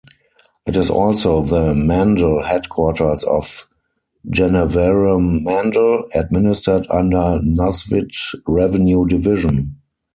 It is also the mandal headquarters of Gannavaram mandal, administered under Nuzvid revenue division.